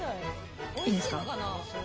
いいですか？